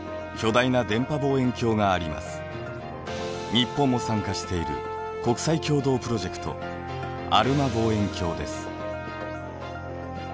日本も参加している国際共同プロジェクトアルマ望遠鏡です。